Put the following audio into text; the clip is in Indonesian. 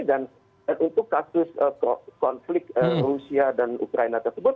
dan untuk kasus konflik rusia dan ukraina tersebut